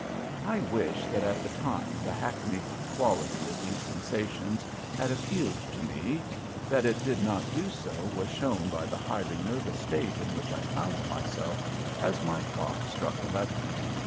I wish that at the time the hackneyed quality of these sensations had appealed to me. That it did not do so was shown by the highly nervous state in which I found myself as my clock struck eleven.